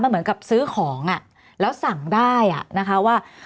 เหมือนกับซื้อของแล้วสั่งได้นะคะว่า